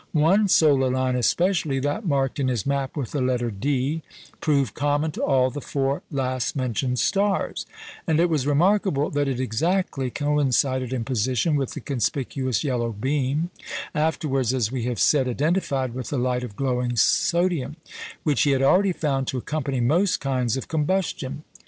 One solar line especially that marked in his map with the letter D proved common to all the four last mentioned stars; and it was remarkable that it exactly coincided in position with the conspicuous yellow beam (afterwards, as we have said, identified with the light of glowing sodium) which he had already found to accompany most kinds of combustion.